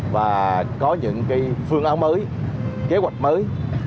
và có những phương án mới kế hoạch mới